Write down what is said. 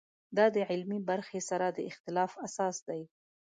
دا د علمي برخې سره د اختلاف اساس دی.